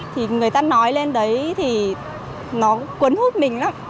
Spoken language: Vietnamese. thì người ta nói lên đấy thì nó cuốn hút mình lắm